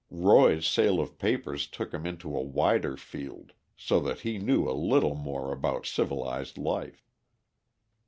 Roy's sale of papers took him into a wider field, so that he knew a little more about civilized life.